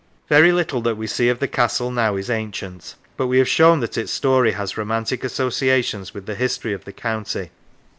Very little that we see of the castle now is ancient, but we have shown that its story has romantic associations with the history of the county.